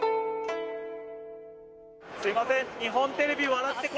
すいません。